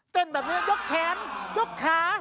เต้นแบบนี้ยกแขนยกขา